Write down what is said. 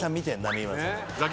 三村さん